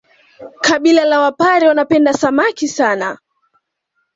Kabila la wapare wanapenda Samaki sana